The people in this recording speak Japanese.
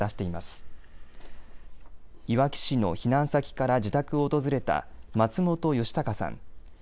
いわき市の避難先から自宅を訪れた松本義隆さん。